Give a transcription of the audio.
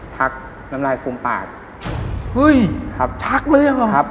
ชักน้ำลายฟุมปากชักเลยหรอ